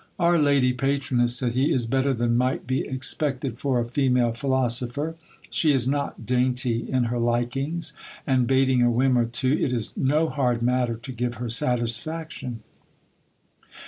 Our lady patroness, said he, is better than might be expected for a female philosopher. She is not dainty in her likings ; and bating a whim or too, it is no hard matter to give her satisfaction.